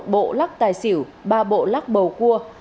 một bộ lắc tài xỉu ba bộ lắc bầu cua